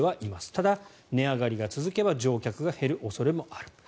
ただ、値上がりが続けば乗客が減る恐れもある。